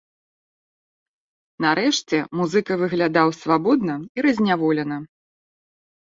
Нарэшце музыка выглядаў свабодна і разняволена.